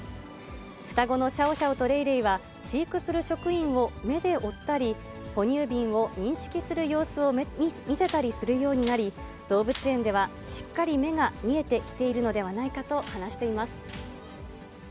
双子のシャオシャオとレイレイは、飼育する職員を目で追ったり、哺乳瓶を認識する様子を見せたりするようになり、動物園では、しっかり目が見えてきているのではないかと話しています。